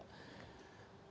kalau menurut saya